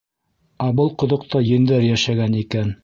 Ә был ҡоҙоҡта ендәр йәшәгән икән.